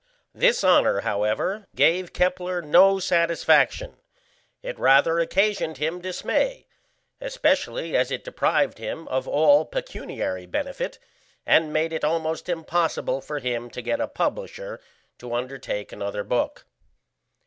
This honour, however, gave Kepler no satisfaction it rather occasioned him dismay, especially as it deprived him of all pecuniary benefit, and made it almost impossible for him to get a publisher to undertake another book.